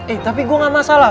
eh tapi gue gak masalah